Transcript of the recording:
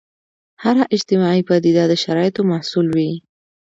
هره اجتماعي پدیده د شرایطو محصول وي.